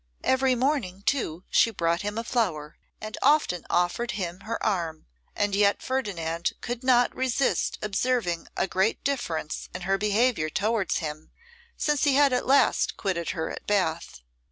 Every morning, too, she brought him a flower, and often offered him her arm. And yet Ferdinand could not resist observing a great difference in her behaviour towards him since he had last quitted her at Bath.